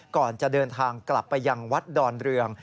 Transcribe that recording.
ก่อนจะเดินทางกลับไปยังวัดดอนเรือง